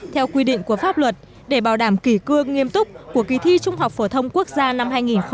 theo quy định của pháp luật để bảo đảm kỷ cương nghiêm túc của kỳ thi trung học phổ thông quốc gia năm hai nghìn một mươi tám